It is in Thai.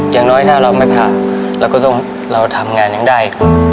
อย่างน้อยถ้าเราไม่ผ่าเราก็ต้องเราทำงานยังได้